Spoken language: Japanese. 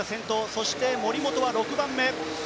そして森本は６番目。